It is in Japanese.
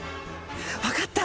分かった！